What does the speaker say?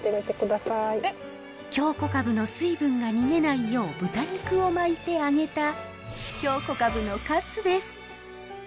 京こかぶの水分が逃げないよう豚肉を巻いて揚げた京こかぶのカツです。